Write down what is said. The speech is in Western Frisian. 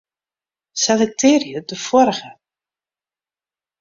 Selektearje de foarige.